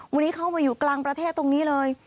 วันนี้เข้ามาอยู่กลางประเทศตรงนี้เลย